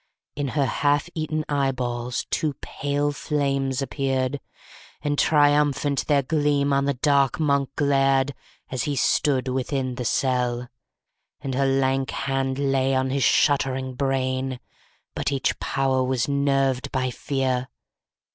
In her half eaten eyeballs two pale flames appeared, And triumphant their gleam on the dark Monk glared, As he stood within the cell. _90 17. And her lank hand lay on his shuddering brain; But each power was nerved by fear.